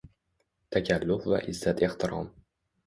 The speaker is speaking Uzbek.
Takalluf va izzat-ehtirom